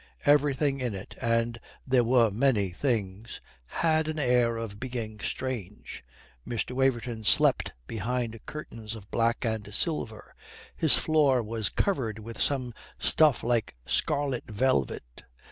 Everything in it and there were many things had an air of being strange. Mr. Waverton slept behind curtains of black and silver. His floor was covered with some stuff like scarlet velvet.